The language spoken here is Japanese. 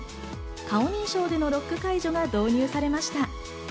顔認証でのロック解除が導入されました。